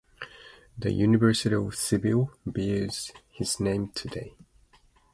The University of Sibiu bears his name today.